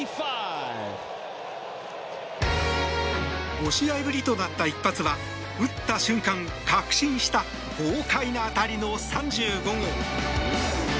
５試合ぶりとなった一発は打った瞬間確信した豪快な当たりの３５号。